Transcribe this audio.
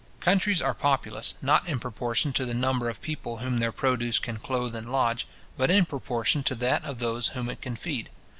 Countries are populous, not in proportion to the number of people whom their produce can clothe and lodge, but in proportion to that of those whom it can feed.